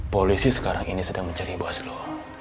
polisi sekarang ini sedang mencari bos lu